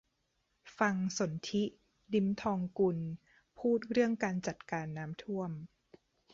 ฟังสนธิ ลิ้มทองกุล พูดเรื่องการจัดการน้ำท่วม